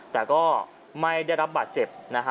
แต่ก็ไม่ได้รับบาดเจ็บนะฮะ